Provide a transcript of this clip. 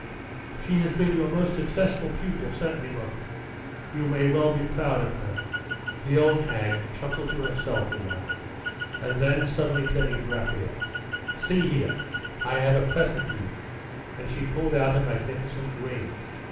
'She has been your most successful pupil, certainly, mother. You may well be proud of her.' The old hag chuckled to herself a while; and then suddenly turning to Raphael 'See here! I have a present for you;' and she pulled out a magnificent ring.